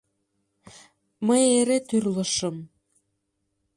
Мый эре тӱрлышым.